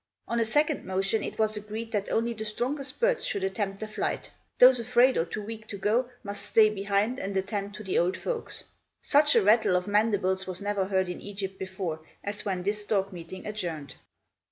On a second motion, it was agreed that only the strongest birds should attempt the flight. Those afraid, or too weak to go, must stay behind and attend to the old folks. Such a rattle of mandibles was never heard in Egypt before, as when this stork meeting adjourned.